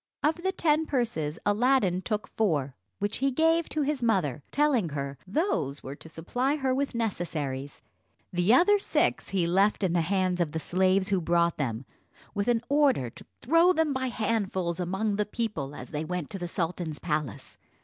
Of the ten purses Aladdin took four, which he gave to his mother, telling her, those were to supply her with necessaries; the other six he left in the hands of the slaves who brought them, with an order to throw them by handfuls among the people as they went to the sultan's palace.